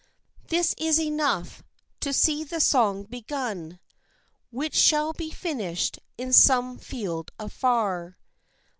This is enough, to see the song begun Which shall be finished in some field afar.